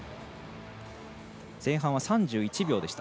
前半は３１秒でした。